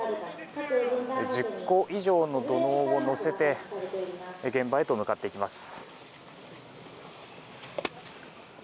１０個以上の土のうを載せて現場へと向かっていきます。